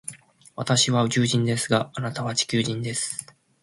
私は宇宙人ですが、あなたは地球人です。